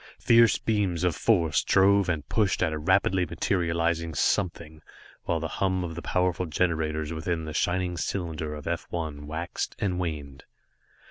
Fierce beams of force drove and pushed at a rapidly materializing something, while the hum of the powerful generators within the shining cylinder of F 1 waxed and waned.